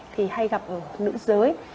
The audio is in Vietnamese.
thì hay gặp ở nữ giới